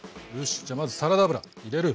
じゃあまずサラダ油入れる！